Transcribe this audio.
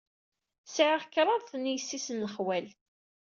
Sɛiɣ kraḍt n yessi-s n lexwal.